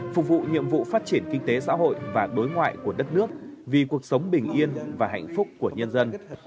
phục vụ nhiệm vụ phát triển kinh tế xã hội và đối ngoại của đất nước vì cuộc sống bình yên và hạnh phúc của nhân dân